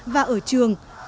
và ở trường cũng phát huy được